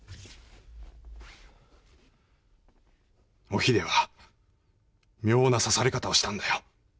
おひでは妙な刺され方をしたんだよ。